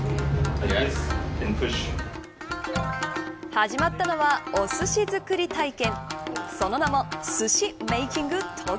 始まったのはおすし作り体験。